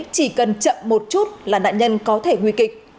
chỉ cần chậm một chút là nạn nhân có thể nguy kịch